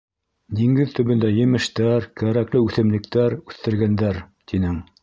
«Диңгеҙ төбөндә емештәр, кәрәкле үҫемлектәр үҫтергәндәр» тинең.